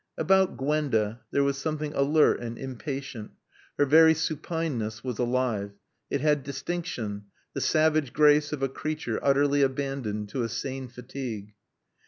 About Gwenda there was something alert and impatient. Her very supineness was alive. It had distinction, the savage grace of a creature utterly abandoned to a sane fatigue.